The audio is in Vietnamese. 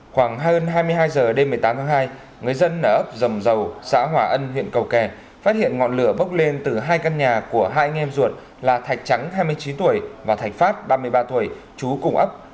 khoảng hơn hai mươi hai h đêm một mươi tám tháng hai người dân ở ấp dầm dầu xã hòa ân huyện cầu kè phát hiện ngọn lửa bốc lên từ hai căn nhà của hai anh em ruột là thạch trắng hai mươi chín tuổi và thạch pháp ba mươi ba tuổi trú cùng ấp